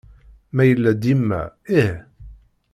Ma yella dima, ih.